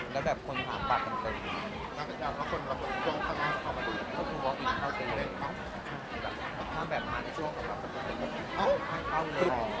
ขอบคุณมากค่ะสการ